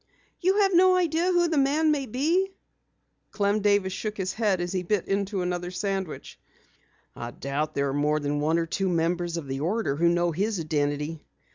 "You have no idea who the man may be?" Clem Davis shook his head as he bit into another sandwich. "I doubt there are more than one or two members of the order who know his identity.